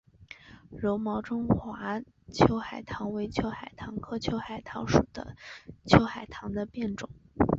柔毛中华秋海棠为秋海棠科秋海棠属秋海棠的变种。